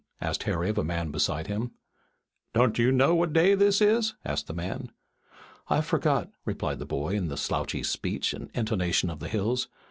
asked Harry of a man beside him. "Don't you know what day this is?" asked the man. "I've forgot," replied the boy in the slouchy speech and intonation of the hills.